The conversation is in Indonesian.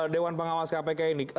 dewan pengawas kpk ini